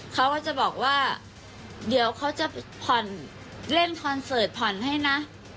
เขาก็จะบอกว่าเดี๋ยวเขาจะผ่อนเล่นคอนเสิร์ตผ่อนให้นะ